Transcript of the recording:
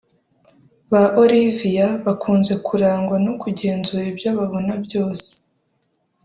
Ba Olivia bakunze kurangwa nokugenzura ibyo babona byose